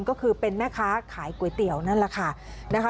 ก็คือเป็นแม่ค้าขายก๋วยเตี๋ยวนั่นแหละค่ะนะคะ